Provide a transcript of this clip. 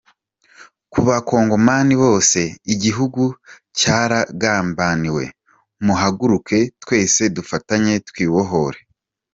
-Ku bakongomani bose, igihugu cyaragambaniwe, muhaguruke twese dufatanye twibohore